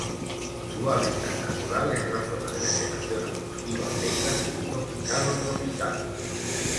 Su hábitat natural es la zona de vegetación arbustiva seca subtropical o tropical.